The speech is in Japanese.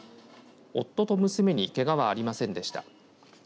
夫と娘にけがはありませんでした。